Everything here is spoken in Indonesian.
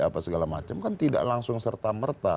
apa segala macam kan tidak langsung serta merta